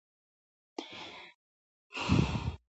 احمد تل د ملک خوټو ته اوبه وراچوي.